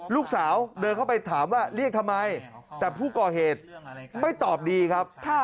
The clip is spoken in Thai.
ลูกสาวเดินเข้าไปถามว่าเรียกทำไมแต่ผู้ก่อเหตุไม่ตอบดีครับ